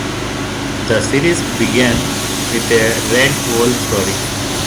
The series began with a Red Wolf story.